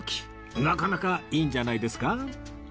なかなかいいんじゃないですか？